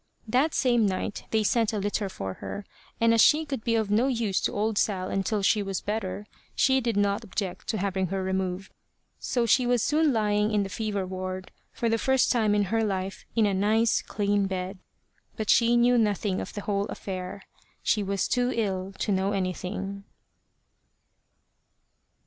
That same night they sent a litter for her, and as she could be of no use to old Sal until she was better, she did not object to having her removed. So she was soon lying in the fever ward for the first time in her life in a nice clean bed. But she knew nothing of the whole affair. She was too ill to know anything.